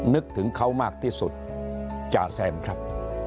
นึกถึงเขามากที่สุดจ่าแซมครับ